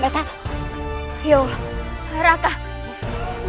tidak ada apa apa